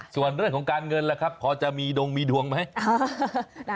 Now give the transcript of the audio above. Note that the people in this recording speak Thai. ส่วนเรื่องของการเงินล่ะครับพอจะมีดงมีดวงไหม